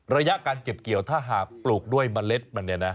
ระยะการเก็บเกี่ยวถ้าหากปลูกด้วยเมล็ดมันเนี่ยนะ